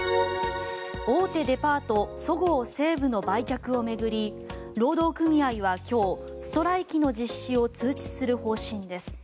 大手デパートそごう・西武の売却を巡り労働組合は今日ストライキの実施を通知する方針です。